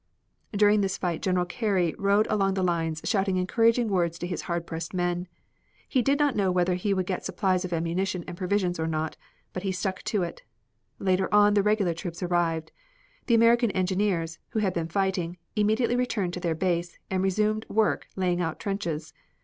During this fight General Carey rode along the lines shouting encouraging words to his hard pressed men. He did not know whether he would get supplies of ammunition and provisions or not, but he stuck to it. Later on the regular troops arrived. The American engineers, who had been fighting, immediately returned to their base, and resumed work laying out trenches.